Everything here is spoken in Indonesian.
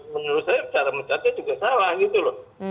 menurut saya cara mecatnya juga salah gitu loh